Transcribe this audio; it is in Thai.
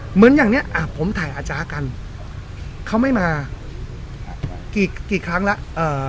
เหมือนอย่างเนี้ยอ่ะผมถ่ายอาจารย์กันเขาไม่มากี่กี่ครั้งแล้วเอ่อ